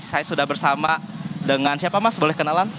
saya sudah bersama dengan siapa mas boleh kenalan